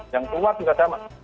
yang keluar juga damat